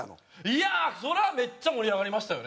いやあそれはめっちゃ盛り上がりましたよね